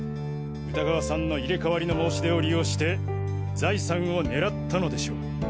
歌川さんの入れ替わりの申し出を利用して財産を狙ったのでしょう。